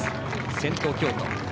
先頭は京都。